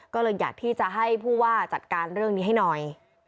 ก็เลยอยากที่จะให้ผู้ว่าจัดการเรื่องนี้ให้หน่อย